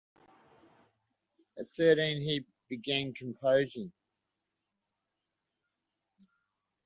At thirteen he began composing.